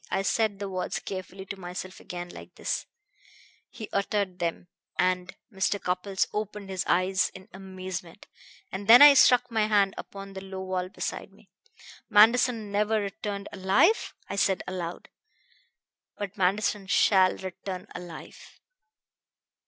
I said the words carefully to myself again, like this " he uttered them, and Mr. Cupples opened his eyes in amazement "and then I struck my hand upon the low wall beside me. 'Manderson never returned alive?' I said aloud. 'But Manderson shall return alive!'